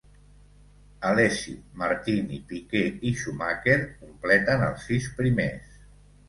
Alesi, Martini, piquet, i Schumacher completen els sis primers.